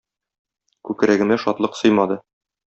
Күкрәгемә шатлык сыймады.